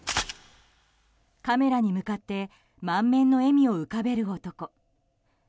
カメラに向かって満面の笑みを浮かべる男。